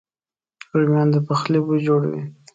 رومیان د پخلي بوی جوړوي